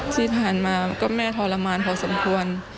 ที่ผ่านมาก็แม่ทรมานพอสมควร